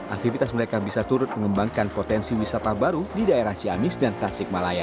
aktivitas mereka bisa turut mengembangkan potensi wisata baru di daerah cianis dan tasik malaya